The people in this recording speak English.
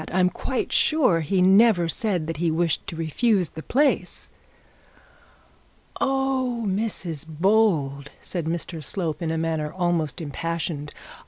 I am quite sure he never said he wished to refuse the place.' 'Oh, Mrs Bold!' said Mr Slope, in a manner almost impassioned.